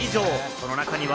その中には。